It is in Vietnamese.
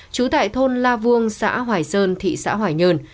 trú tại thôn la vuông xã hoài sơn thị xã hoài nhơn